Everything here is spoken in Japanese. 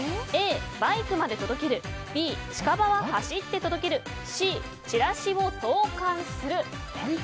Ａ、バイクまで届けるＢ、近場は走って届けるＣ、チラシを投函する。